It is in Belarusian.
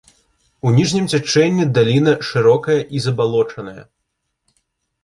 У ніжнім цячэнні даліна шырокая і забалочаная.